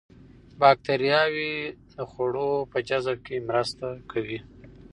باکتریاوې د خوړو په جذب کې مرسته کوي.